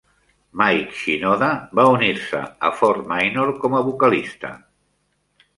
Mike Shinoda va unir-se a Fort Minor com a vocalista.